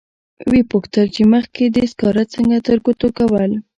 و یې پوښتل چې مخکې دې سکاره څنګه ترګوتو کول.